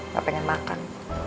gak pengen makan